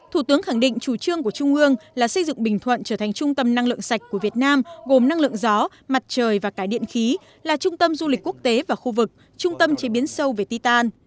thủ tướng khẳng định chủ trương của trung ương là xây dựng bình thuận trở thành trung tâm năng lượng sạch của việt nam gồm năng lượng gió mặt trời và cải điện khí là trung tâm du lịch quốc tế và khu vực trung tâm chế biến sâu về ti tàn